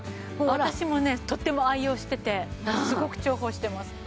私もねとっても愛用しててすごく重宝してます。